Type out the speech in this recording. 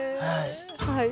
はい。